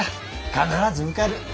必ず受かる！